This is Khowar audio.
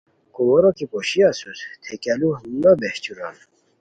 کومورو کی پوشی اسوس تھے کیہ لو نو بہچوران